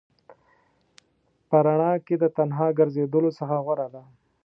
په رڼا کې د تنها ګرځېدلو څخه غوره ده.